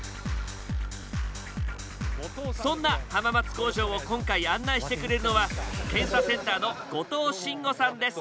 そんな浜松工場を今回案内してくれるのは検査センターの後藤真吾さんです。